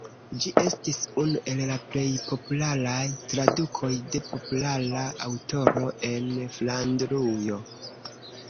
Ĝi estis unu el la plej popularaj tradukoj de populara aŭtoro en Flandrujo.